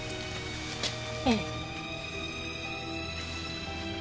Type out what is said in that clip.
ええ。